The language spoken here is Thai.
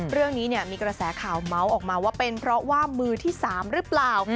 เรื่องนี้มีกระแสข่าวเมาส์ออกมาว่าเป็นเพราะว่ามือที่๓หรือเปล่า